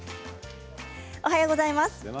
おはようございます。